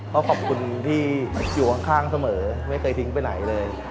ก็ขอบคุณที่อยู่ข้างเสมอไม่เคยทิ้งไปไหนเลย